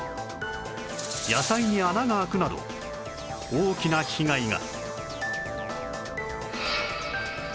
野菜に穴が開くなど大きな被害が